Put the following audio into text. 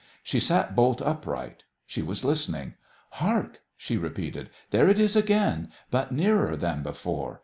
She sat bolt upright. She was listening. "Hark!" she repeated. "There it is again, but nearer than before.